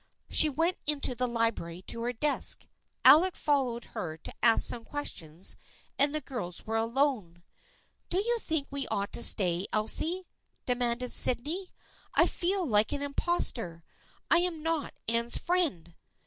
She went into the library to her desk. Alec fol lowed her to ask some questions and the girls were alone. " Do you think we ought to stay, Elsie?" de manded Sydney. " I feel like an impostor. I am not Anne's friend."